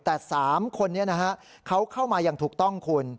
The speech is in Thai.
แต่๓คนนี้นะฮะเขาเข้ามาอย่างถูกต้องคุณ